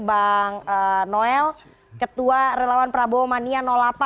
bang noel ketua relawan prabowo mania delapan